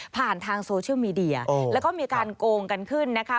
ผ่านทางโซเชียลมีเดียแล้วก็มีการโกงกันขึ้นนะคะ